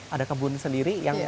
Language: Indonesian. ada kebun sendiri yang